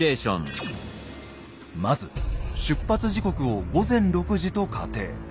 まず出発時刻を午前６時と仮定。